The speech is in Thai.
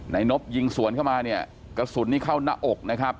นบยิงสวนเข้ามาเนี่ยกระสุนนี้เข้าหน้าอกนะครับ